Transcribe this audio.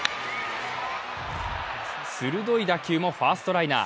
鋭い打球もファーストライナー。